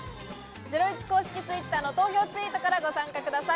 ゼロイチ公式Ｔｗｉｔｔｅｒの投票ツイートからご参加ください。